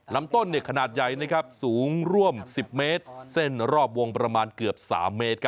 ลำต้นขนาดใหญ่สูงร่วม๑๐เมตรเส้นรอบวงประมาณเกือบ๓เมตร